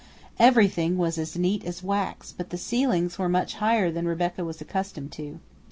Everything was as neat as wax, but the ceilings were much higher than Rebecca was accustomed to.